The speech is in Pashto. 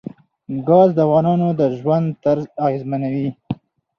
ګاز د افغانانو د ژوند طرز اغېزمنوي.